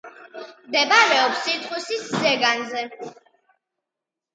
მდებარეობს ითხვისის ზეგანზე.